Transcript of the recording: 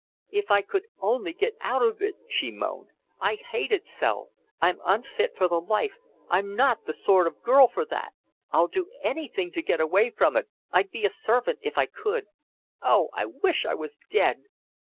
"If I could only get out of it!" she moaned. "I hate it so. I'm unfit for the life, I'm not the sort of girl for that. I'd do anything to get away from it, I'd be a servant if I could. Oh, I wish I was dead."